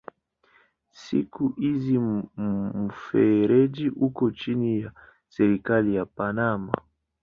Siku hizi mfereji uko chini ya serikali ya Panama.